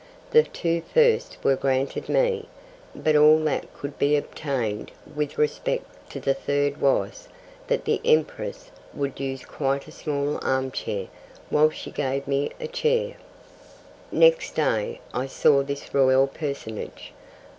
The two first were granted me, but all that could be obtained with respect to the third was, that the Empress would use quite a small armchair, whilst she gave me a chair. Next day I saw this Royal personage.